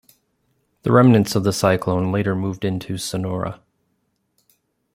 The remnants of the cyclone later moved into Sonora.